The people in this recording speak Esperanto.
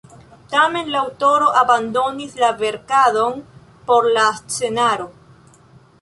Tamen la aŭtoro abandonis la verkadon por la scenaro.